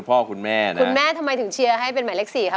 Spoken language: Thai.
ทำไมหนูถึงเลือกหมายเลข๔คะ